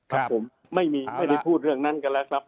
ครับผมไม่ได้พูดเรื่องนั้นกันแล้วครับ